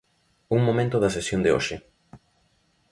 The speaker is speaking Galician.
Un momento da sesión de hoxe.